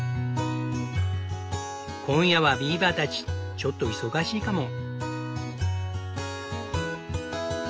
今夜はビーバーたちちょっと忙しいかも。